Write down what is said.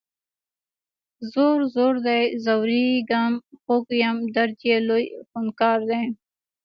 ځور، ځور دی ځوریږم خوږ یم درد یې لوی خونکار دی